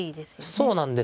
そうなんですよね。